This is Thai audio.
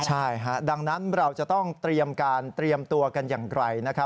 ใช่ฮะดังนั้นเราจะต้องเตรียมการเตรียมตัวกันอย่างไกลนะครับ